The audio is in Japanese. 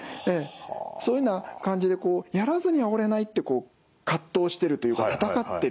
そういうような感じでやらずにはおれないってこう葛藤してるというか闘ってるっていう。